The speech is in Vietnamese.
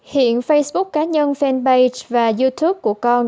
hiện facebook cá nhân fanpage và youtube của con